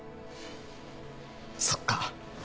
そっか